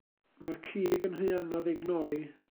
Mae'r cig yn rhy anodd ei gnoi.